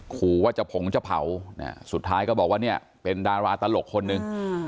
ขอว่าจะผงจะเผาสุดท้ายก็บอกว่าเนี่ยเป็นดาราตลกคนหนึ่ง